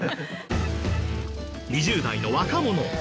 ２０代の若者